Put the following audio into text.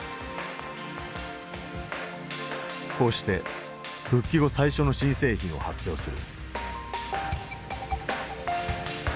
こうして復帰後最初の新製品を発表する。